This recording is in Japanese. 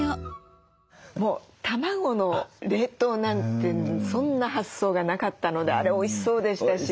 もう卵の冷凍なんてそんな発想がなかったのであれおいしそうでしたし。